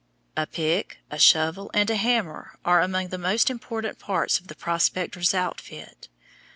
A pick, a shovel, and a hammer are among the most important parts of the prospector's outfit.